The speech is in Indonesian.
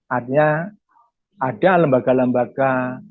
artinya ada lembaga lembaga